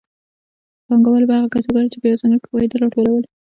پانګوالو به هغه کسبګر چې په یوه څانګه کې پوهېدل راټولول